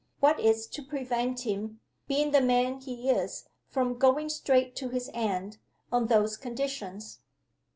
What is to prevent him, being the man he is, from going straight to his end, on those conditions?